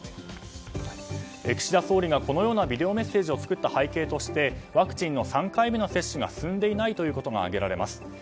岸田総理がこのようなビデオメッセージを作った背景としてワクチンの３回目の接種が進んでいないということが挙げられます。